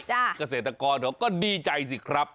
จ้ะกเศรษฐกรเขาก็ดีใจสิครับ